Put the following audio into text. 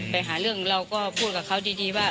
ไปหาเรื่องเราก็พูดกับเขาดีว่า